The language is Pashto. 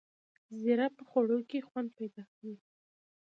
زیره په خوړو کې خوند پیدا کوي